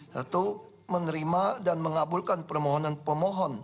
satu menerima dan mengabulkan permohonan pemohon